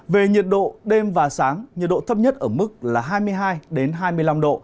về nhiệt độ đêm và sáng nhiệt độ thấp nhất ở mức là hai mươi hai hai mươi năm độ